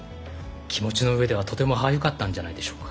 気持ちの上ではとても歯がゆかったんじゃないでしょうか。